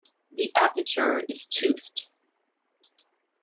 The aperture is toothed.